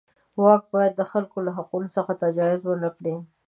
واک باید د خلکو له حقونو څخه تجاوز ونه کړي.